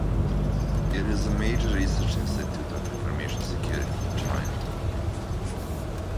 It is a major research institute of information security in China.